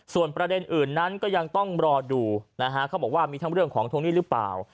ส่วนประเด็นอื่นนั้นก็ยังต้องรอดูนะฮะเขาบอกว่ามีทั้งเรื่องของทวงหนี้หรือเปล่า